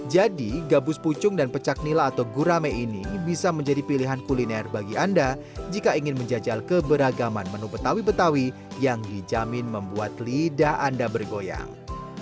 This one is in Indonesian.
jadi gabus pucung dan pecak nila atau gurame ini bisa menjadi pilihan kuliner bagi anda jika ingin menjajal keberagaman menu betawi betawi yang dijamin membuat lidah anda bergoyang